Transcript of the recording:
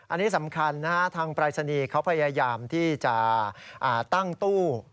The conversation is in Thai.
อันนี้สำคัญนะฮะทางปรายศนีย์เขาพยายามที่จะตั้งตู้